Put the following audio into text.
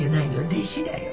弟子だよ。